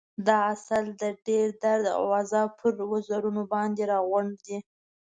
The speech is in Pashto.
دا عسل د ډېر درد او عذاب پر وزرونو باندې راغونډ دی.